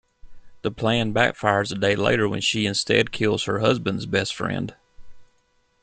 The plan backfires a day later when she instead kills her husband's best friend.